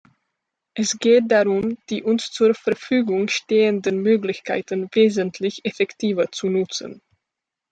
Es geht darum, die uns zur Verfügung stehenden Möglichkeiten wesentlich effektiver zu nutzen.